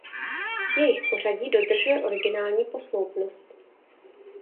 Jejich pořadí dodržuje originální posloupnost.